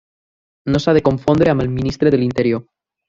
No s'ha de confondre amb el Ministre de l'Interior.